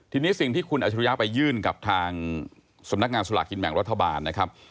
ทีนี้สิ่งที่คุณอัชรุยะไปยื่นกับทางสำนักงานสลากกินแบ่งรัฐบาลนะครับ